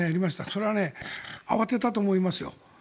それは慌てたと思いますよ。